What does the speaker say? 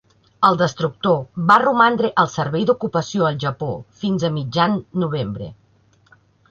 El destructor va romandre al servei d'ocupació al Japó fins a mitjan novembre.